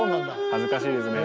はずかしいですね。